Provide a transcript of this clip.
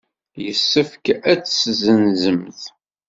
Yessefk ad t-tessenzemt.